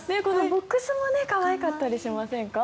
ボックスも可愛かったりしませんか？